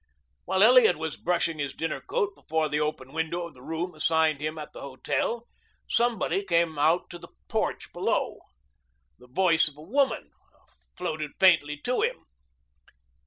While Elliot was brushing his dinner coat before the open window of the room assigned him at the hotel, somebody came out to the porch below. The voice of a woman floated faintly to him.